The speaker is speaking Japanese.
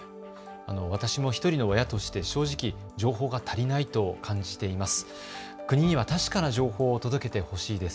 私も１人の親として正直、情報が足りないと感じています。